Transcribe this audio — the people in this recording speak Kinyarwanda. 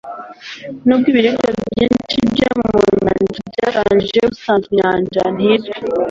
Nubwo ibirwa byinshi byo mu nyanja byashushanyijeho ubusanzwe inyanja ntizwi